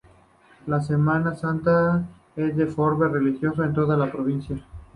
La Semana Santa es de fervor religioso en toda la provincia.